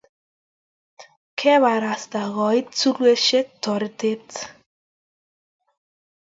Keparasta koit tulwesiek toretet